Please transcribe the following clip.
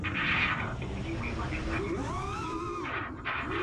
Tatu udi muimana muindile difutu diende.